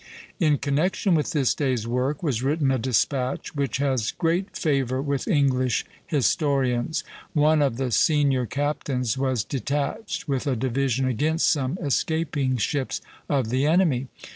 In connection with this day's work was written a despatch which has great favor with English historians. One of the senior captains was detached with a division against some escaping ships of the enemy.